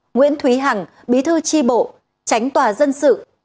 nguyễn thúy hằng bí thư tri bộ tránh tòa dân sự